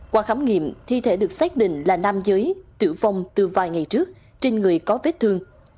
qua khám nghiệm thi thể được xác định là nam giới tử vong từ vài ngày trước trên người có vết thương